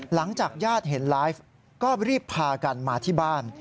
หลังจากญาติเห็นไลฟ์ก็รีบพากันมาที่บ้าน